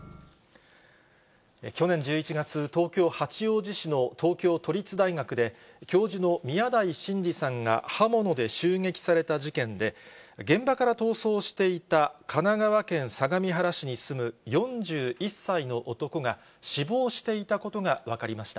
去年１１月、東京・八王子市の東京都立大学で、教授の宮台真司さんが刃物で襲撃された事件で、現場から逃走していた、神奈川県相模原市に住む４１歳の男が、死亡していたことが分かりました。